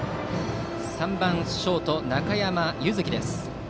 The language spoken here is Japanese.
３番ショート、中山優月。